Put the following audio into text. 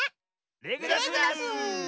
レグダス！